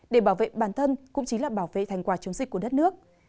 để bảo vệ bản thân cũng chính là bảo vệ thành quả chống dịch của đất nước